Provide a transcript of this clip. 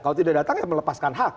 kalau tidak datang ya melepaskan hak